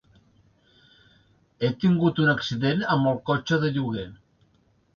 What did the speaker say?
He tingut un accident amb el cotxe de lloguer.